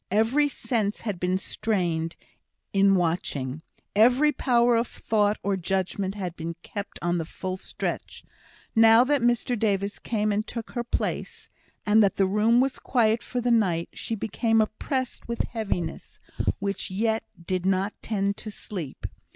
Every sense had been strained in watching every power of thought or judgment had been kept on the full stretch. Now that Mr Davis came and took her place, and that the room was quiet for the night, she became oppressed with heaviness, which yet did not tend to sleep.